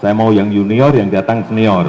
saya mau yang junior yang datang senior